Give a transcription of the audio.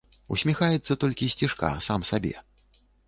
Усміхаецца толькі сцішка сам сабе.